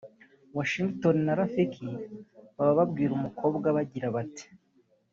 Washington na Rafiki baba babwira umukobwa bagira bati